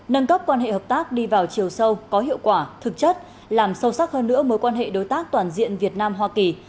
nâng cấp quan hệ hợp tác đi vào chiều sâu có hiệu quả thực chất làm sâu sắc hơn nữa mối quan hệ đối tác toàn diện việt nam hoa kỳ